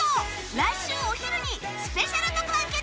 来週お昼にスペシャル特番決定！